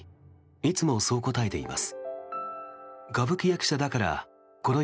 いつもそう答えています。